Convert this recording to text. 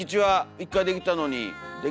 １回できたのにか。